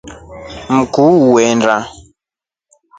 Mkuu unda.